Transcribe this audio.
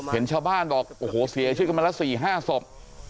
เห็นชาวบ้านบอกโอ้โหเสียชีวิตกันมาละ๔๕ศพ